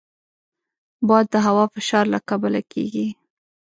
باد د هوا فشار له کبله کېږي